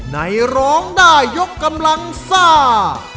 ในร้องด้ายกำลังซ่า